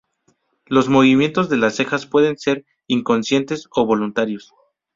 Los movimientos de las cejas pueden ser inconscientes o voluntarios.